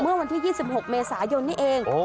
เมื่อวันที่๒๖เมษายนนี่เอง